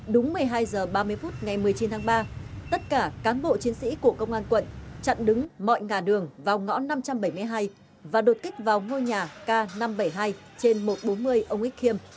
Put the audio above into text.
đúng một mươi hai h ba mươi phút ngày một mươi chín tháng ba tất cả cán bộ chiến sĩ của công an quận chặn đứng mọi ngà đường vào ngõ năm trăm bảy mươi hai và đột kích vào ngôi nhà k năm trăm bảy mươi hai trên một trăm bốn mươi ông ích khiêm